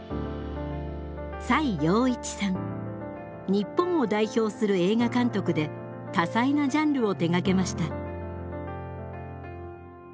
日本を代表する映画監督で多彩なジャンルを手がけました。